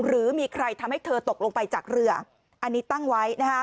หรือมีใครทำให้เธอตกลงไปจากเรืออันนี้ตั้งไว้